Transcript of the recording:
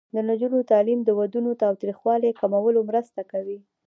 د نجونو تعلیم د ودونو تاوتریخوالي کمولو مرسته کوي.